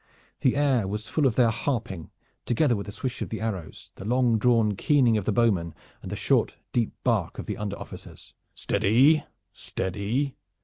The air was full of their harping, together with the swish of the arrows, the long drawn keening of the bowmen and the short deep bark of the under officers. "Steady, steady!